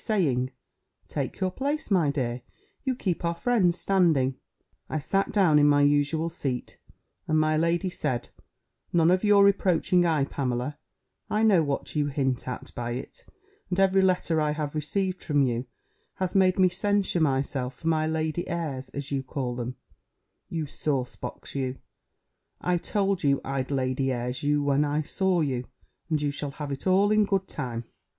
saying, "Take your place, my dear; you keep our friends standing;" I sat down in my usual seat. And my lady said, "None of your reproaching eye, Pamela; I know what you hint at by it; and every letter I have received from you has made me censure myself for my lady airs, as you call 'em, you sauce box you: I told you, I'd lady airs you when I saw you; and you shall have it all in good time."